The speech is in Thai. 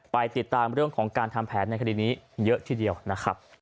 ไปติดตามเรื่องของการทำแผนในคดีนี้เยอะทีเดียวนะครับ